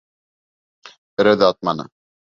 Берәү ҙә атманы.